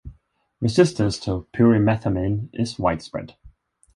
Resistance to pyrimethamine is widespread.